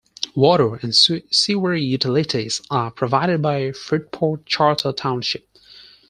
Water and sewer utilities are provided by Fruitport Charter Township.